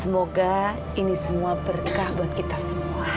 semoga ini semua berkah buat kita semua